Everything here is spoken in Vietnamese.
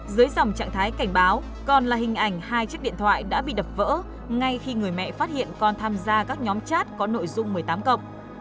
dưới dòng trạng thái cảnh báo còn là hình ảnh hai chiếc điện thoại đã bị đập vỡ ngay khi người mẹ phát hiện con tham gia các nhóm chat có nội dung một mươi tám cộng